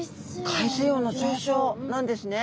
海水温の上昇なんですね。